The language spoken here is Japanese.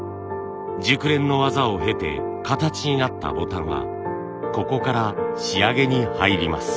熟練の技を経て形になったボタンはここから仕上げに入ります。